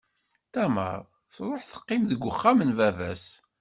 Tamar tṛuḥ, teqqim deg wexxam n baba-s.